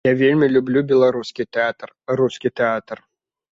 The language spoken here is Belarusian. Я вельмі любіла беларускі тэатр, рускі тэатр.